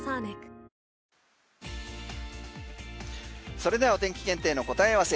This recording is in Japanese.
それではお天気検定の答え合わせ